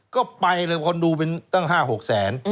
ก็ไปคนดูเป็นตั้ง๕๖๐๐บาท